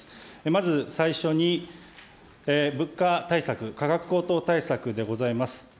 まず最初に物価対策、価格高騰対策でございます。